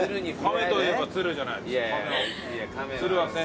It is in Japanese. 亀といえば鶴じゃない。